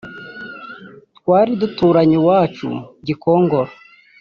twari duturanye iwacu Gikongoro